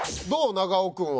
長尾君は。